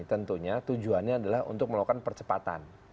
tentunya tujuannya adalah untuk melakukan percepatan